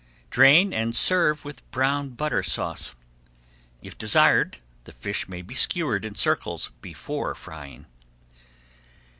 Drain and serve with Brown Butter Sauce. If desired, the fish may be skewered in circles before frying.